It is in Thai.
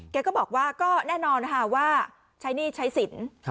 แกก็บอกว่าก็แน่นอนค่ะว่าใช้หนี้ใช้สิน